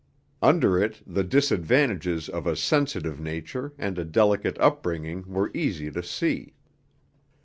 Under it the disadvantages of a sensitive nature and a delicate upbringing were easy to see.